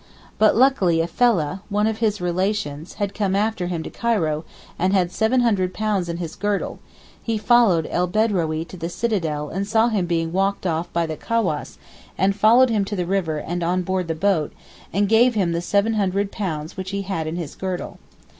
But luckily a fellah, one of his relations had come after him to Cairo and had £700 in his girdle; he followed El Bedrawee to the Citadel and saw him being walked off by the cawass and followed him to the river and on board the boat and gave him the £700 which he had in his girdle.